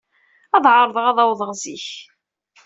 Ad ɛerḍeɣ ad d-awḍeɣ zik.